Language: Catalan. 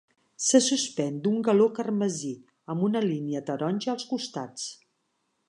Se suspèn d'un galó carmesí, amb una línia taronja als costats.